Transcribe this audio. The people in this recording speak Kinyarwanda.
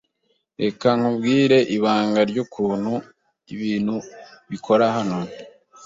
Reka nkubwire ibanga ryukuntu ibintu bikora hano.